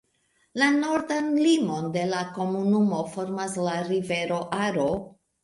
La nordan limon de la komunumo formas la rivero Aro.